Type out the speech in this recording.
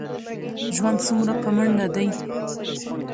ژوند څومره په منډه دی.